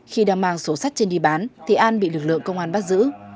khi đang mang số sắt trên đi bán thì an bị lực lượng công an bắt giữ